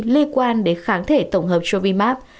liên quan đến kháng thể tổng hợp sotrovimab